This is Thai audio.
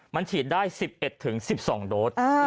มันฉีดได้๑๑๑๑๒โดส